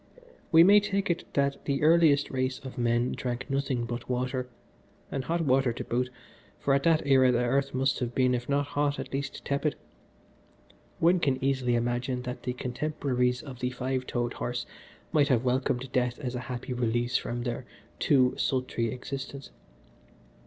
"We may take it that the earliest race of men drank nothing but water, and hot water to boot, for at that era the earth must have been, if not hot, at least tepid. One can easily imagine that the contemporaries of the five toed horse might have welcomed death as a happy release from their too sultry existence.